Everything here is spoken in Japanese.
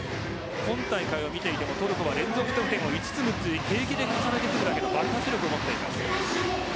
今大会を見ていてもトルコは連続得点を５つ、６つ平気で重ねてくる爆発力を持っています。